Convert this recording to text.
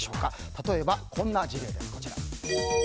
例えば、こんな事例です。